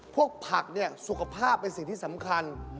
พวกผักเนี่ยสุขภาพเป็นสิ่งที่สำคัญ